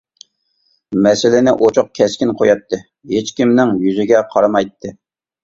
مەسىلىنى ئوچۇق، كەسكىن قوياتتى، ھېچكىمنىڭ يۈزىگە قارىمايتتى.